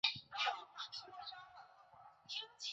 茶籽粉由山茶属植物的种子制成。